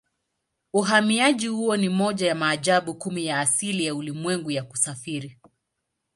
Uhamiaji huo ni moja ya maajabu kumi ya asili ya ulimwengu ya kusafiri.